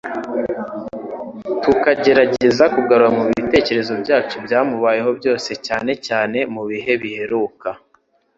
tukagerageza kugarura mu bitekerezo byacu ibyamubayeho byose cyane cyane mu bihe biheruka.